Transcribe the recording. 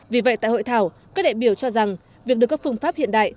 vì vậy tại hội thảo các đại biểu cho rằng việc được các phương pháp hiện đại